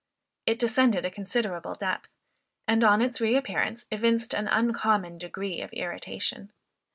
It descended a considerable depth; and, on its re appearance, evinced an uncommon degree of irritation.